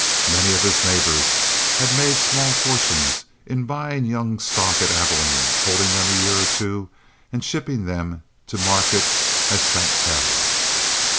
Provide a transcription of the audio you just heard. Many of his neighbors had made small fortunes in buying young stock at Abilene, holding them a year or two, and shipping them to market as fat cattle.